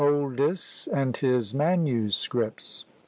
OLDYS AND HIS MANUSCRIPTS.